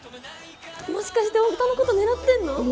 もしかしてオオタのこと狙ってんの？